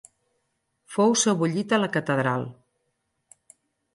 Fou sebollit a la catedral.